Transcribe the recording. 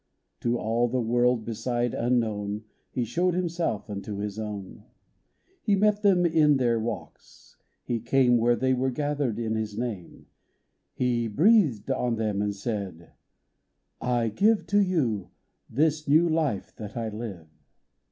To all the world beside unknown, He showed himself unto His own. He met them in their walks ; He came Where they were gathered in His name ; He breathed on them, and said, " I give To you this new life that I live."